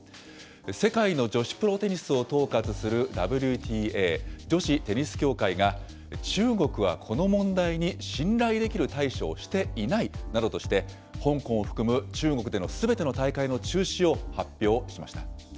世界の女子プロテニスを統括するＷＴＡ・女子テニス協会が、中国はこの問題に信頼できる対処をしていないなどとして、香港を含む中国でのすべての大会の中止を発表しました。